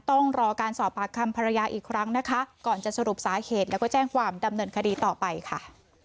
ต้องรอการสอบปากคำภรรยาอีกครั้งนะคะก่อนจะสรุปสาเหตุแล้วก็แจ้งความดำเนินคดีต่อไปค่ะ